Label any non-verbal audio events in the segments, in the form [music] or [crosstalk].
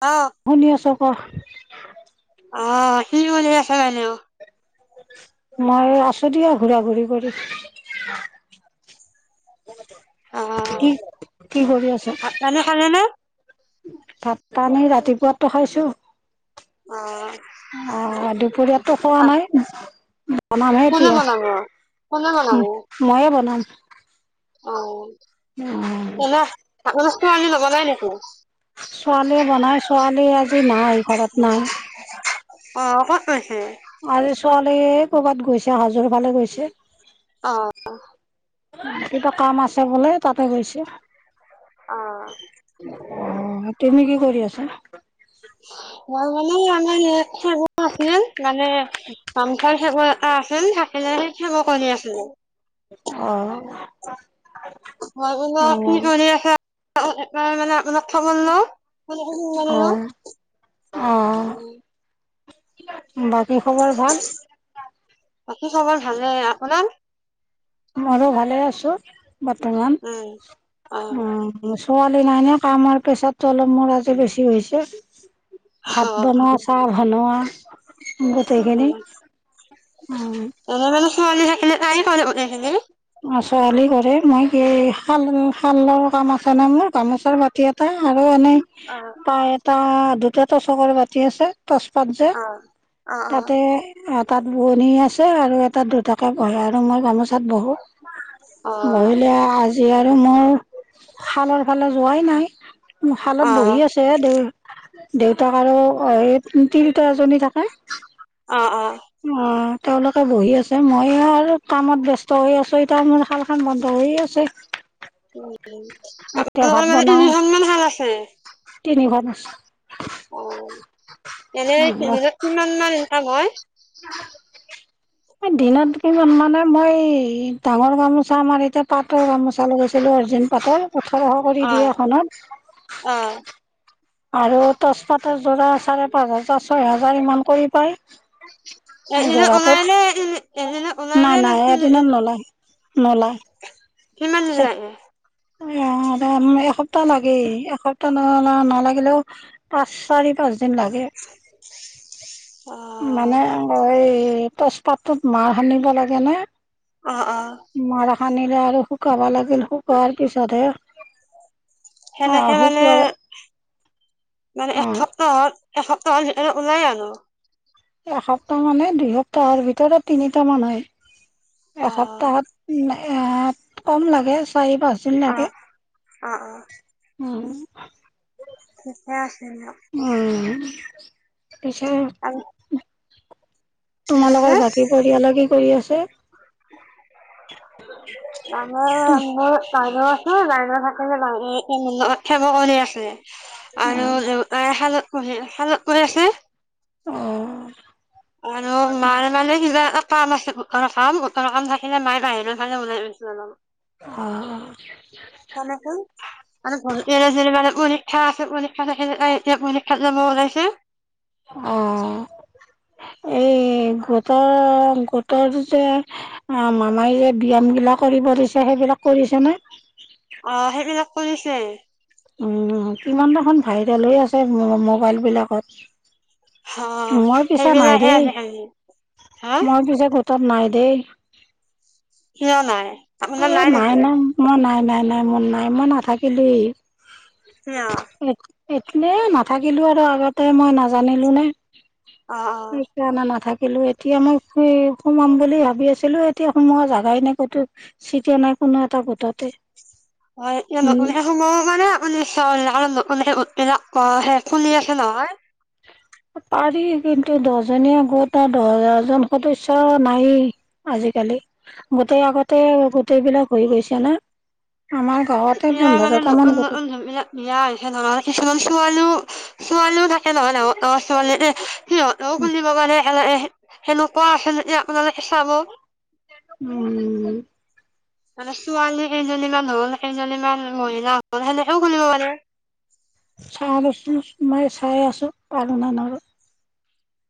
অ', শুনি আছো কওক অ কি কৰি আছে, বাইদেউ? মই আছো দিয়া, ঘূৰা ঘূৰি কৰি। অ', কি - কি কৰি আছে? ভাত পানী খালে নে? ভাত পানি ৰাতিপুৱাতে খাইছো। আহ, দুপৰীয়াতো খোৱা অ', নাই? বনাম হে কোনে এতিয়া, বনাব? কোনে বনাব? ময়ে বনাম। অ, এনে শাক বস্তু কি নবনাই নেকি? ছোৱালীয়ে বনাই, ছোৱালী আজি নাই ঘৰত, নাই। অ', ক'ত গৈছে? আজি ছোৱালী কৰ'বাত গৈছে, হাজোৰ ফালে গৈছে। অ',। কিবা কাম আছে বোলে, তাতে গৈছে। অ', অ', তুমি কি কৰি আছা? কুৱা মানে আমাৰ [unintelligible] আছিলে মানে [unintelligible] সেইকাৰণে সেইবোৰ কৰি আছিলোঁ [unintelligible] অহ। মই মানে কি কৰি আছে [inaudible] সেইকাৰণে মানে আপোনাক খবৰ অ লওঁ অ [inaudible] বাকী খবৰ ভাল? বাকী খৱৰ ভালে, আপোনাৰ? মইয়ো ভালে আছো, বৰ্তমান উম, অ'। ছোৱালী নাই ন, কামৰ পেছাৰ টো অলপ মোৰ আজি বেছি হৈছে। ভাত অ', বনোৱা, চাহ বনোৱা উম। গোটেইখিনি, উম। ঘৰতে থাকিলে তাইয়ে কৰে গোটেইখিনি। ছোৱালী কৰে। মই কি শাল - শালৰ কাম আছে না মোৰ, গামোচাৰ বাতি এটা আৰু অ', এনেই অ পায় এটা দুটাটো চকৰ বাতি আছে তচপাত যে, অ অ তাতে তাত বোৱনি আছে আৰু এটাত দুটাকে বহে আৰু মই গামোচাত বহো। অ বহিলে আজি আৰু মোৰ শালৰ ফালে যোৱাই নাই অ শালত বহি আছে দে দেউতাক আৰু সেই তিৰোতা এজনী থাকে। অ অ অ',। তেওঁলোকে বহি আছে। মই আৰু কামত ব্যস্ত হৈ আছো এতিয়া মোৰ শালখন বন্ধ হৈে আছে। এতিয়া ভাত আপোনালোকৰ মানে বনাও তিনিখনমান শাল আছে? তিনিখন অ', এনে আছে। দিনত কিমান মান ইনকাম হয়? দিনত কিমান মানে, মই ডাঙৰ গামোচা মাৰি থাকাটো এতিয়া পাতৰ গামোচা লগাইছো চলো অৰিজিনিয়েল পাটৰ ওঠৰশ কৰি অ দিয়ে অ এখনত আৰু তচপাটৰ যোৰা চাৰে পাঁচ হাজাৰ ছয় হাজাৰ ইমান কৰি পায়। এদিনত ওলাই যোৰাটোত নে এদিনত ওলাই নাই, নে নে নাই, এদিনত নলয় কিমান দিন লাগে নলয় এসপ্তাহ লাগেই, এসপ্তাহ নলা - নালাগিলেও পাঁচ চাৰি পাঁচ লাগে অ মানে এই অ', তচপাতটোত মাৰ সানিব লাগে নে অ', অ'। মাৰ সানিলে আৰু শুকাবা লাগিল শুকোৱাৰ পিছতহে আহ সেনেকে মানে শুকোৱাৰ মানে অ এসপ্তাহত হ'ল। এসপ্তাহৰ ভিতৰত ওলাই আনো। এসপ্তাহ মানে দুই সপ্তাহৰ ভিতৰত তিনিটা মান হয়। অ এসপ্তাহত এ কম লাগে চাৰি পাঁচদিন অ লাগে। অ', অ'। উম। ঠিকে আছে দিয়ক। উম পিছে আৰু কি কৈছে তোমালোকৰ বাকী পৰিয়ালে কি কৰি আছে। তাৰমানে মোৰ বাইদেউ আছে বাইদেউ থাকিলেও নাই। সেমকণ আছে আৰু দেউতাই সেই শালত কৈ আছে। অ',। আৰু মাৰ মানে কিবা এটা কাম আছে গোটৰ কাম গোটৰ কাম থাকিলে মায়ে বাহিৰৰ ফালে ওলাই যায়। অ অ তাতে কোন তাতে ভণ্টী ছিনি পায় [unintelligible] পৰীক্ষা আছে পৰীক্ষা থাকিলে তাই এতিয়া পৰীক্ষাত যাব ওলাইছে [unintelligible] এই গোটৰ গোটৰো যে মামাই যে ব্যয়াম বিলাক কৰিব দিছে সেইবিলাক কৰিছে নে? অ' সেইবিলাক কৰিছে। অ' কিমান দেখোন ভাইৰেল হৈ আছে মোবাইল বিলাকত। অ' মই পিছে নাই সেইবিলাকহে দেই, আজি কালি মই পিছে গোটত নাই দেই কিয় নাই। আপোনাৰ এ নাই নেকি নাই মই নাই নাই নাই মোৰ নাই মই নাথাকিলোৱে কিয় এতিনে নাথাকিলো আৰু আগতে মই নাজানিলো নে অ অ সেইকাৰণে নাথাকিল নাথাকিলো এতিয়া মই সোমাম বুলি ভাবি আছিলো, এতিয়া সোমোৱা জেগাই নাই ক'তো। চিটে নাই কোনো এটা গোটতে। হয় এ উম নতুন সময় মানে ম সে আৰু ন আকৌ হে খুলি আছে নহয় পাৰি কিন্তু দহজনীয়া গোট আৰু দহজন সদস্য নায়ে আজি আজিকালি গোটেই আগতে গোটেইবিলাক হৈ গৈছে না। আমাৰ গাঁৱতে এতিয়া মানে পোন্ধৰটা মান নতুন গোট নতুন আছে। জোনবিলাক বিয়া হৈছে নহয় কিছুমান ছোৱালীও ছোৱালীও থাকে নহয় ডাঙৰ ডাঙৰ ছোৱালী দে সিহঁতেও খুলিব পাৰে এই সেনেকোৱাপালে চাব উম। মানে ছোৱালী কেইজনীমান হ'ল কেইজনীমান মহিলা হ'ল সেনেকেও খুলিব পাৰে। চায় ৰচোন মই চাই আছোঁ পাৰো না নৰো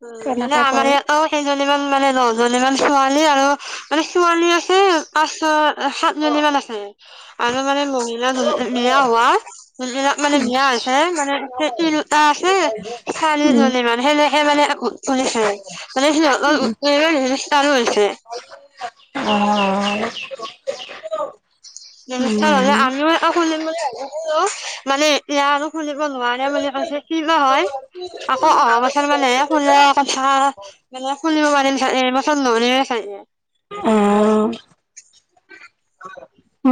উম মানে আমাৰ ইয়াতো সেই সেনেকুৱা মানে দহজনী মান ছোৱালী আৰু মানে ছোৱালী আছে পাঁচ সাতজনী মান আছে আৰু মানে মহিলা বিয়া হোৱা জোনবিলাক মানে বিয়া আছে মানে সেই তিনটা ছে চালী উম হলি মানে হেনে সেই মানে খুলিছে মানে সিহঁতৰ গোট তো ৰেজিষ্টাৰ হৈছে। অ' ৰেজিষ্টাৰ হ'লে উম, আমিও এটা খুলিম বুলি ভাবিছিলো মানে এতিয়া আৰু। খুলিব নোৱাৰে বুলি কৈছে কি বা হয়। আকৌ অহা বছৰ মানেহে খুলা কথা মানে খুলিব পাৰিম চাগে এই বছৰ নোৱাৰিম এ। [unintelligible] অ'।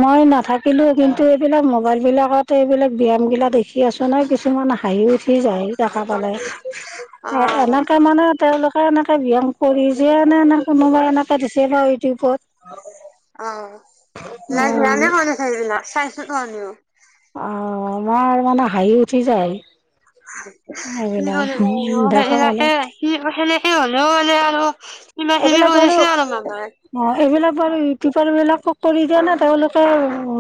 মই নাথাকিলো কিন্তু এইবিলাক মোবাইল বিলাকত এইবিলাক ব্যায়াম গিলা দেখি আছো নহয় কিছু হাঁহি উঠি যায় দেখা পালে অ আ এনেকে মানে তেওঁলোক। এনেকে ব্যায়াম কৰি যিয়ে এনে এনে কোনোবা এনেকে দিছে বা ইউটিউবত। উম [unintelligible] অ' মই মানে হাঁহি উঠি যায়। কি এইবিলাক দেখা কৰিবা পালো আৰু [unintelligible] কিবি এইবিলাক বাৰু কৰিছে আৰু মামাই অ' এইবিলাক বাৰু ইউটোপাৰ বিলাক কৰি দিয়েনে তেওঁলোকে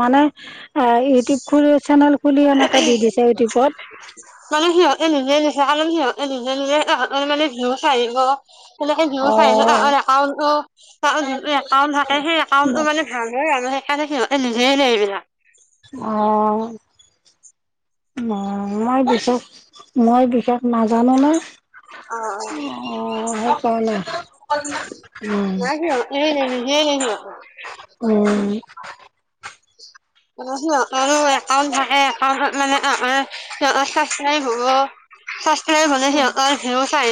মানে। অ' ইউটিউব খুলি চেনেল খুলি এনেকে দি দিছে ইউটিউবত। [inaudible] অ [inaudible] [inaudible] অ'। মই বিশেষ, মই বিশেষ নাজানো না। অ অ অ', সেই কাৰণে উম। লাহ নাই সিহঁতে [unintelligible] উম। [unintelligible] [unintelligible]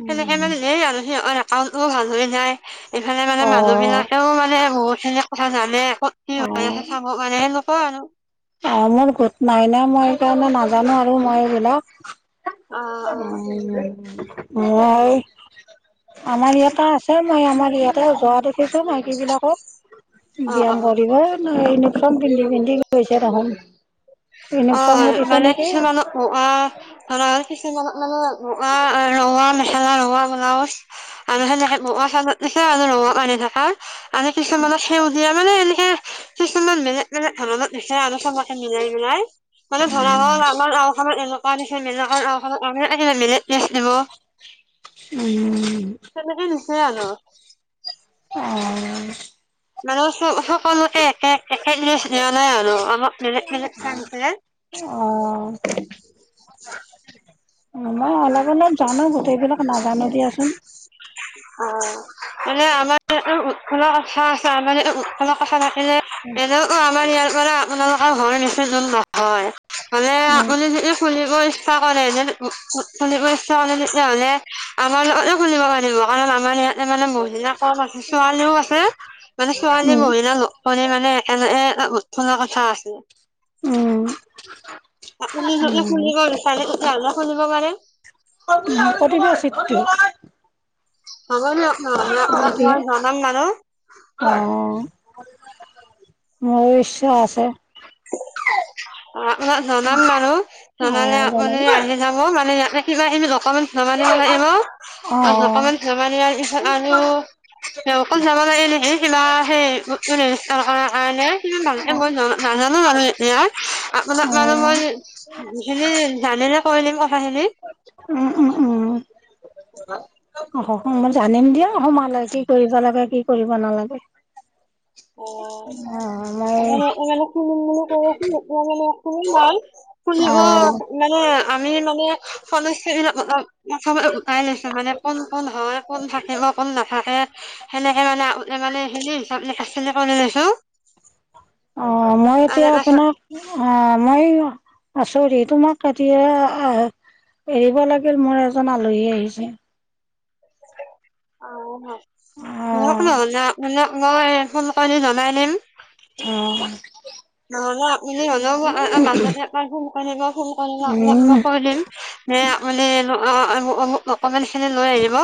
উম কামটো ও ভাল হৈ যায় ইফালে মানে মানুহ অ', বিলাকেও মানে বহুত খিনি কথা জানে। ক'ত কি হৈ আছে অ'। চাব কাৰণে সেনেকুৱা আৰু। অ' মোৰ গোট নাই ন মই সেইকাৰণে নাজানো আৰু মই এইবিলাক। অ', উম মই আমাৰ ইয়াতে আছে। মই আমাৰ ইয়াতে যোৱা দেখিছো মাইকী বিলাকক। অ', অ', ব্যায়াম অ'। কৰিব না ইউনিফৰ্ম পিন্ধি পিন্ধি গৈছে তাহুন অ', মানে কিছুমানক ধৰা কিছুমানক মানে। বগা, ৰঙা মেখেলা, ৰঙা ব্লাউজ আৰু সেনেকে বগা চাদ। সেয়া আৰু ৰঙাপাৰি থকা আৰু কিছুমানত সেউজীয়া। মানে এনেকে কিছুমান বেলেগ, বেলেগ ধনত দিচে আৰু মিলাই, মিলাই। মানে ধৰা হ'ল আমাৰ গাওঁখনত এনেকুৱা নি [inaudible] উম। সেই আৰু। অ'। মানে সকলোকে একে। একে লগে দিয়া নাই আৰু আমাক বেলেগে বেলেগ চাই দিছে। অ', [unintelligible] মই অলপ, অলপ জানো গোটেইবিলাক নাজানো দিয়াচোন। অ', মানে আমাৰ [unintelligible] কথা থাকে যে এনেইছন [unintelligible] আমাৰ ইয়াৰ পৰা আপোনালোকৰ [unintelligible] বৰ বেছি দুৰ নহয় মানে উম, আপুনি যদি খুলিব ইচ্ছা কৰে। খুলিব ইচ্ছা কৰে তেতিয়াহ'লে আমাৰ লগতো খুলিব পাৰিব কাৰণ আমাৰ ইয়াত। মানে মহিলা কম আছে ছোৱালীও আছে। মানে ছোৱালী, উম, মহিলা মানে একেলগে এটা গোট খুলা কথা আছিল। উম আপুনি উম। খুলিব বিচাৰে তেতিহলে খুলিব পাৰে কঠনা চটো [unintelligible] হ'ব দিয়ক অ মই জনাম বাৰু অৱষয় [unintelligible] আছে অ আপোনাক জনাম বাৰু জনালে আহ আপুনি জনাব আহি যাব মানে ইতে কিবা কিনি দকমেন্ট জমা দিব লাগিব। অ' দকমেন্ট জমা দিয়া পিছত আৰু অকণ যাব লাগিলে [unintelligible] কিবা সেই ৰেজিষ্টাৰ কৰা কাৰনে ভালকে জানো মই নাজানো বাৰু এতিয়া আপোনাক অ' মানুহ অ' মই খিনি জানিলে কৰি [unintelligible] উম উম উম অ মই জানিম দিয়া সমালৈ কি কৰিব লাগে কি কৰিব নালাগে অ তে মই মানে ফু ম কৰ মানে ফু ন ফুলিহ অ' মানে [unintelligible] আমি মানে সমস্যাবিলাক অলপ প্ৰথমে উটাই লৈছোঁ মানে কোন কোন হয় কোন থাকিব কোন নাথাকে সেনেকে মানে আগতে মানে [unintelligible] কৰি লৈছোঁ। অ মই এতিয়া আপোনাক অ মই আছ। চৰি তোমাক এতিয়া আহ এৰিব লাগিল মোৰ এজন আলহী আহিছে। অ মোৰ অ' নহ'লে মানে মই ফোন কৰিল জনাই দিম। অ। নহলে আপুনি হলেও মাজতে এবাৰ ফোন কৰিব ফোন কৰিব আপোনাক উম, মই কৈ দিম সে মানে অু নক [unintelligible] দকমেন্তখিনি লৈ আহিব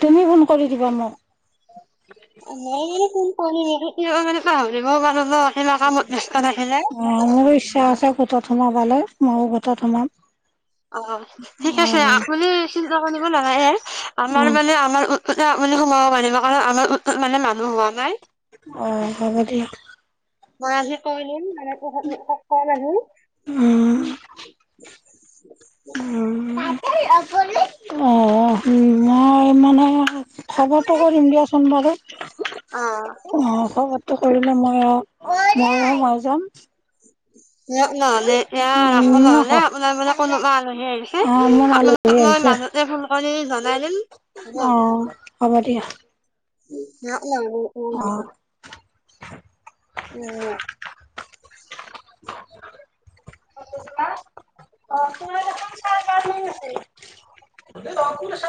তুমি ফোন কৰি দিবা মোক। মোন প নতি মানে [unintelligible] পাহৰিবও পাৰোঁ ৰ অ মোৰো ইচ্ছা আছে গোতত সোমাবালে মইযো গোটত সোমাম অ ঠিক আছে অ' আপুনি চিন্তা কৰিব নালাগে উম। আমাৰ মানে আমাৰ। সোমালে আপুনি সোমাব পাৰিব কাৰণ মানে গোটটোত মানুহ হোৱা নাই। অ হ'ব দিওঁক। মই আহি কৈ দিম মানে। [unintelligible] উম। [inaudible] উম। [inaudible] অ মই মানে খবৰটো কৰিম দিয়াচোন বাৰু। অ খবৰটো কৰিলে মই আৰু। [unintelligible] নহ'লে এতিয়া ৰাখোঁ উম, নহ'লে আপোনাৰ মানে কোনোবা আলহী আহিছে অ', মোৰ আলহী আপোনাক মই। আহিছে [unintelligible] ফোন কৰি জনাই দিম। হ'ব অ হব। দিয়া অ'। [unintelligible] [inaudible] ৰাখিছোঁ অ তোমাৰ চাৰ [unintelligible] আছে। [unintelligible]